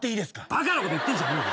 バカなこと言ってんじゃねえ。